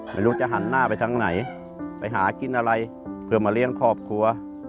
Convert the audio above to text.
ไม่รู้จะหันหน้าไปทางไหนไปหากินอะไรเพื่อมาเลี้ยงครอบครัว